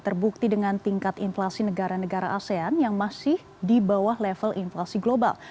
terbukti dengan tingkat inflasi negara negara asean yang masih di bawah level inflasi global